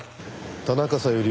田中小百合